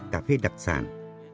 cà phê đặc sản